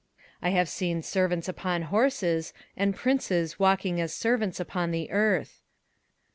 21:010:007 I have seen servants upon horses, and princes walking as servants upon the earth.